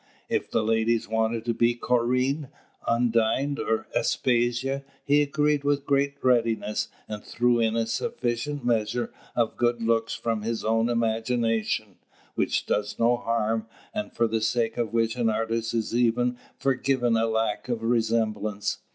If the ladies wanted to be Corinne, Undine, or Aspasia, he agreed with great readiness, and threw in a sufficient measure of good looks from his own imagination, which does no harm, and for the sake of which an artist is even forgiven a lack of resemblance.